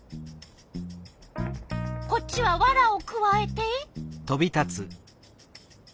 こっちはワラをくわえて。